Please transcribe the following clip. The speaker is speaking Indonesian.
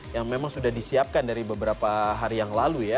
yang memang sudah disiapkan dari beberapa hari yang lalu ya